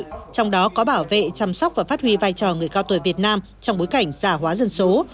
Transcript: trong bối cảnh gia hóa dân số